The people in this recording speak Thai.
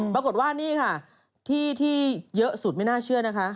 ปรากฏว่านี่ค่ะที่ที่เยอะสุดไม่น่าเชื่อนะคะ